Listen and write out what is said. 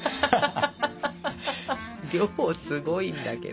量すごいんだけど。